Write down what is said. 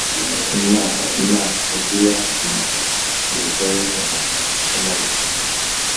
na M ziya na Bilugayi na Shemaya